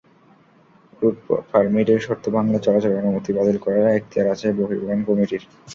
Root পারমিটের শর্ত ভাঙলে চলাচলের অনুমতি বাতিল করার এখতিয়ার আছে পরিবহন কমিটির।